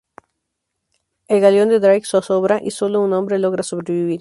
El galeón de Drake zozobra y solo un hombre logra sobrevivir.